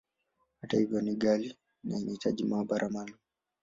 Hata hivyo, ni ghali, na inahitaji maabara maalumu.